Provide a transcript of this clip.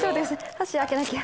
箸開けなきゃ。